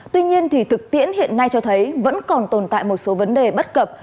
tuy nhiên thực tiễn hiện nay cho thấy vẫn còn tồn tại một số vấn đề bất cập